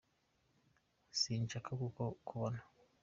Nsinshaka kuku bona